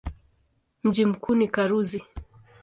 Mji mkuu ni Karuzi.